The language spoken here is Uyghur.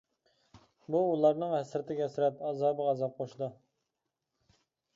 بۇ ئۇلارنىڭ ھەسرىتىگە ھەسرەت، ئازابىغا ئازاب قوشىدۇ.